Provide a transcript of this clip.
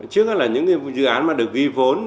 trước hết là những dự án mà được ghi vốn